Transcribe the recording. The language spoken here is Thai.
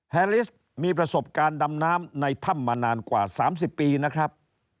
แฮลิสมีประสบการณ์ดำน้ำในถ้ำมานานกว่า๓๐ปีนะครับ